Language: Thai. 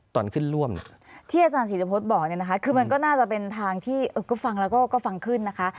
ตอนขึ้นร่วมที่อาจารย์ศิริพฤษบอกเนี่ยนะคะคือมันก็น่าจะเป็นทางที่ก็ฟังแล้วก็ฟังขึ้นนะคะ